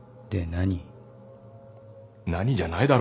「何」じゃないだろう？